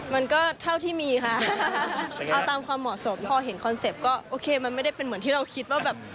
มันก็เท่าที่มีค่ะเอาตามความเหมาะสมพอเห็นคอนเซ็ปต์ก็โอเคมันไม่ได้เป็นเหมือนที่เราคิดว่าแบบ